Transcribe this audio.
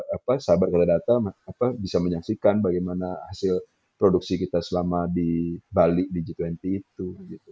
apa sabar kata bisa menyaksikan bagaimana hasil produksi kita selama di bali di g dua puluh itu